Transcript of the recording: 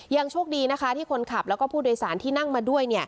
โชคดีนะคะที่คนขับแล้วก็ผู้โดยสารที่นั่งมาด้วย